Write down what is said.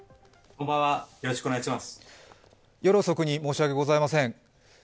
夜遅くに申し訳ございません。